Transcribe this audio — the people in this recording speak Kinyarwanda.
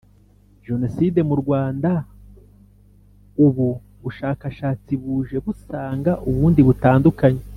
Jenoside mu rwanda ubvu bushakashatsi buje busanga ubundi butandukanye